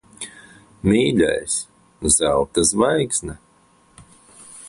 Mīļais! Zelta zvaigzne.